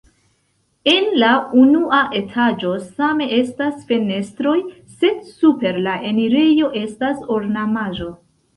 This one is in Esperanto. En la unua etaĝo same estas fenestroj, sed super la enirejo estas ornamaĵo.